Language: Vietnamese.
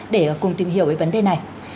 để cùng tìm hiểu về vấn đề này